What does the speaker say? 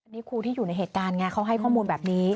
นี่ครูที่อยู่ในเหตุการณ์ไงเขาให้ข้อมูลแบบนี้